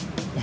ya gitu deh